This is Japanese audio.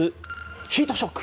ヒートショック。